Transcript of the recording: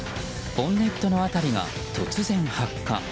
ボンネットの辺りが突然発火。